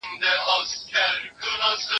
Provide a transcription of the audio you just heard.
زه به د ليکلو تمرين کړی وي..